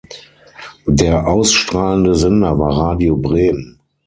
Der ausstrahlende Sender war Radio Bremen.